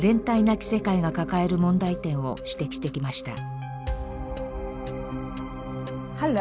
なき世界が抱える問題点を指摘してきました。